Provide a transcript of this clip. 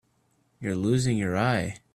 You're losing your eye.